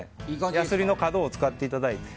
ヤスリの角を使っていただいて。